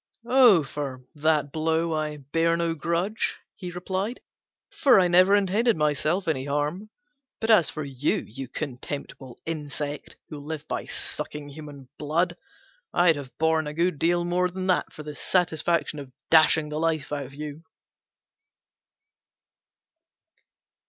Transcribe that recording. "Oh, for that blow I bear no grudge," he replied, "for I never intended myself any harm; but as for you, you contemptible insect, who live by sucking human blood, I'd have borne a good deal more than that for the satisfaction of dashing the life out of you!"